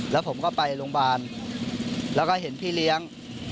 แล้วผมก็ไปโรงพยาบาลแล้วก็เห็นพี่เลี้ยง